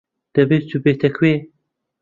دەبێ چووبێتە کوێ.